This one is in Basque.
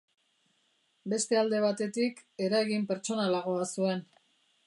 Beste alde batetik, eragin pertsonalagoa zuen.